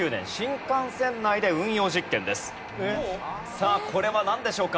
さあこれはなんでしょうか？